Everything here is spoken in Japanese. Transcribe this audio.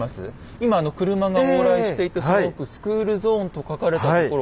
今あの車が往来していたその奥「スクールゾーン」と書かれたところ。